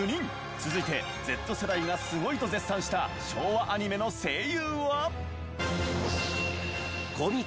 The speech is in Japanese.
続いてＺ世代がスゴいと絶賛した昭和アニメの声優は。